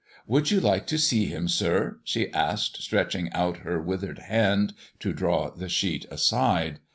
"Would you like to see him, sir?" she asked, stretching out her withered hand to draw the sheet aside.